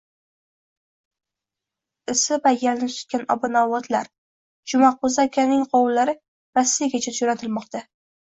Isi paykalni tutgan obi novvotlar. Jumaqo‘zi akaning qovunlari Rossiyagacha jo‘natilmoqda